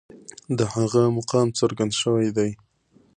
د هغه مقام څرګند شوی دی.